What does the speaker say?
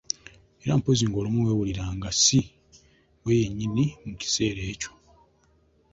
Era mpozzi ng'olumu weewuliranga ssi " ye ggwe wennyini." mu kiseera ekyo.